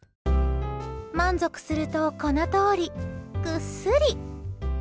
満足すると、このとおり。ぐっすり。